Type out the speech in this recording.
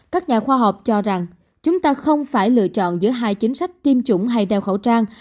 các nhà khoa học cho rằng chúng ta không phải lựa chọn giữa hai chính sách tiêm chủng hay đeo khẩu trang